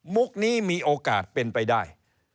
นี้มีโอกาสเป็นไปได้